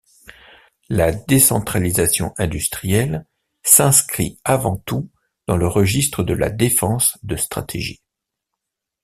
La décentralisation industrielle s’inscrit avant tout dans le registre de la défense de stratégie.